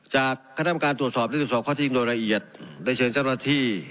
จากคณะกรรมการตรวจสอบได้ตรวจสอบข้อที่จริงโดยละเอียดได้เชิญเจ้าหน้าที่